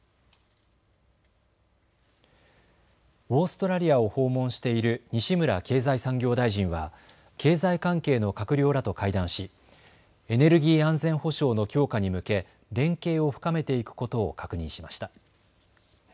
オーストラリアを訪問している西村経済産業大臣は経済関係の閣僚らと会談しエネルギー安全保障の強化に向け連携を深めていくことを確認しました。